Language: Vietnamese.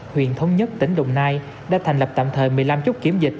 huyện thống nhất tỉnh đồng nai đã thành lập tạm thời một mươi năm chốt kiểm dịch